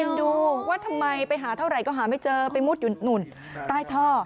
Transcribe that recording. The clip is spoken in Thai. ดูว่าทำไมไปหาเท่าไหร่ก็หาไม่เจอไปมุดอยู่หนุ่นใต้ท่อ